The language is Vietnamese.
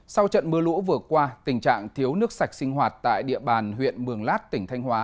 sau trận mưa lũ vừa qua tình trạng thiếu nước sạch sinh hoạt tại địa bàn huyện mường lát tỉnh thanh hóa